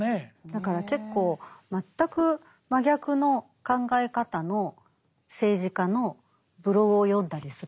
だから結構全く真逆の考え方の政治家のブログを読んだりするんですよ。